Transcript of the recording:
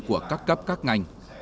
của các cấp các ngành